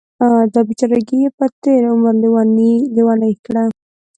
دا بیچارګۍ یې په تېر عمر لیونۍ کړه.